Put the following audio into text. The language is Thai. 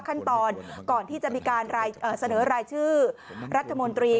ขั้นตอนก่อนที่จะมีการเสนอรายชื่อรัฐมนตรี